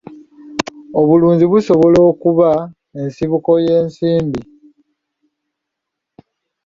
Obulunzi busobola okuba ensibuko y'ensimbi.